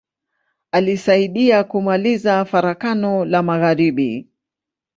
Alisaidia kumaliza Farakano la magharibi.